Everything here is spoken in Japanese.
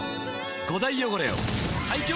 ５大汚れを最強洗浄！